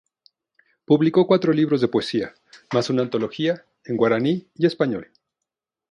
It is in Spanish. Publicó cuatro libros de poesía, mas una antología, en guaraní y español.